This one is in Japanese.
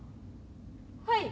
はい。